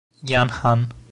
Yan Han